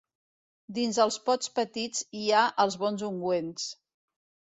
Dins els pots petits hi ha els bons ungüents.